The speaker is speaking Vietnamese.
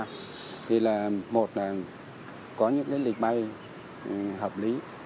thì là một là có những cái lịch bay hợp lý